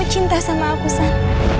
kamu cinta sama aku san